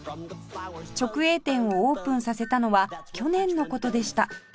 直営店をオープンさせたのは去年の事でした